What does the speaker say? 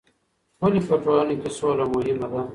ولې په ټولنه کې سوله مهمه ده؟